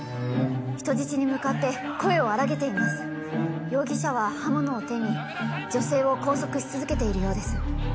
人質に向かって声を荒げています容疑者は刃物を手に女性を拘束し続けているようです